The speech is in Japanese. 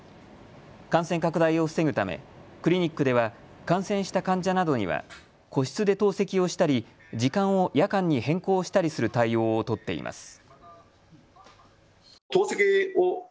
感染拡大を防ぐためクリニックでは感染した患者などには個室で透析をしたり時間を夜間に変更したりする対応を取っています。